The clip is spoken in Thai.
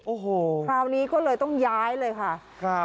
โอ้โหคราวนี้ก็เลยต้องย้ายเลยค่ะครับ